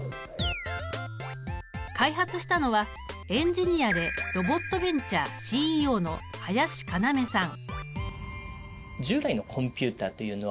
開発したのはエンジニアでロボットベンチャーＣＥＯの林要さん。